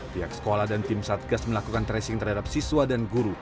pihak sekolah dan tim satgas melakukan tracing terhadap siswa dan guru